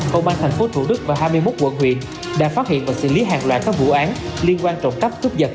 công an tp hcm và hai mươi một quận huyện đã phát hiện và xử lý hàng loạt các vụ án liên quan trộm cắp cướp vật